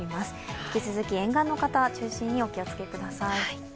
引き続き沿岸の方中心にお気をつけください。